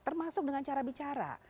termasuk dengan cara bicara